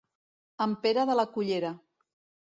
En Pere de la cullera.